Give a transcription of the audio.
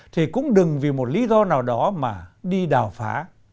thì cũng đừng vì một lý do nào đó mà đi đào phá